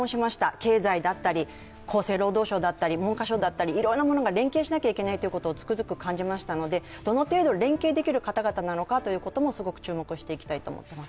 経済だったり厚生労働省だったり文科省だったり、いろんなものが連携しなきゃいけないとつくづく感じましたのでどの程度連携できる方々なのかということもすごく注目していきたいと思っています。